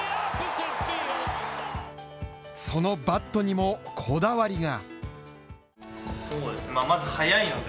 そのバットにもこだわりが。